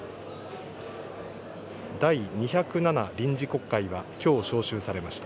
第２０７臨時国会は、きょう召集されました。